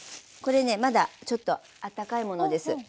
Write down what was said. これねまだちょっとあったかいものです。